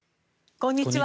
こんにちは。